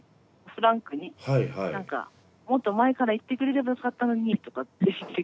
フランクに何か「もっと前から言ってくれればよかったのに」とかって言ってくれて。